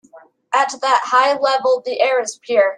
At that high level the air is pure.